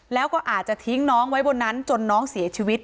แล้วก็อาจจะทิ้งน้องไว้บนนั้นจนน้องเสียชีวิต